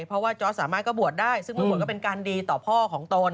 เพราะว่าจอร์ดสามารถก็บวชได้ซึ่งเมื่อบวชก็เป็นการดีต่อพ่อของตน